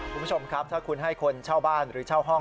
คุณผู้ชมครับถ้าคุณให้คนเช่าบ้านหรือเช่าห้อง